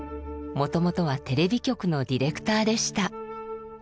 もともとはテレビ局のディレクターでした。